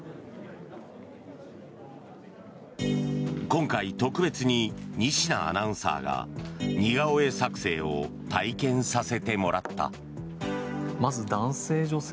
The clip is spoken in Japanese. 今回、特別に仁科アナウンサーが似顔絵作成を体験させてもらった。